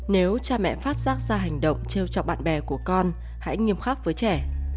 nếu cha mẹ phát giác ra hành động treo trọc bạn bè của con hãy nghiêm khắc với trẻ